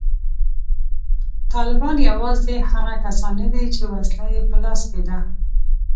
طالبان یوازې هغه کسان نه دي چې وسله یې په لاس کې ده